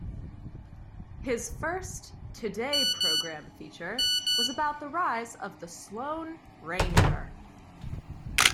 His first Today Programme feature was about the rise of the Sloane Ranger.